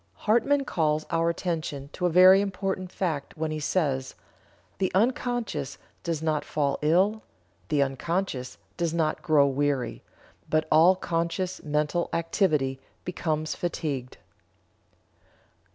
'" Hartmann calls our attention to a very important fact when he says: "The unconscious does not fall ill, the unconscious does not grow weary, but all conscious mental activity becomes fatigued."